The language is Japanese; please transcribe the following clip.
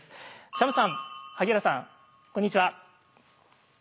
チャムさん萩原さんこんにちは。